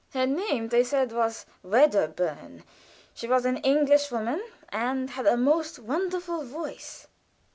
Her name, they said was Wedderburn; she was an English woman, and had a most wonderful voice.